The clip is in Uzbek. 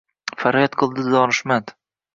Faryod qildi donishmand.